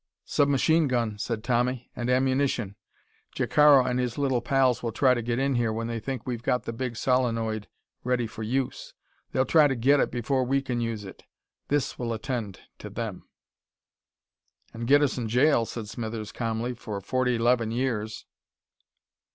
"Sub machine gun," said Tommy, "and ammunition. Jacaro and his little pals will try to get in here when they think we've got the big solenoid ready for use. They'll try to get it before we can use it. This will attend to them." "An' get us in jail," said Smithers calmly, "for forty 'leven years."